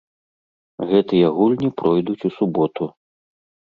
Гэтыя гульні пройдуць у суботу.